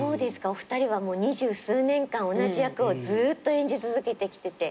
お二人は二十数年間同じ役をずーっと演じ続けてきてて。